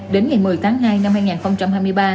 đến ngày một mươi tháng hai năm hai nghìn hai mươi ba